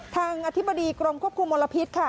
อธิบดีกรมควบคุมมลพิษค่ะ